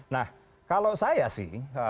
nah kalau saya sih